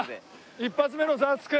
一発目の『ザワつく！』。